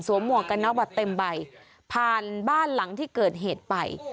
หมวกกันน็อกแบบเต็มใบผ่านบ้านหลังที่เกิดเหตุไป